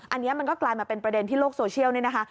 อันนี้มันก็กลายมาเป็นประเด็นที่โลกโซเชียลเนี่ยนะคะ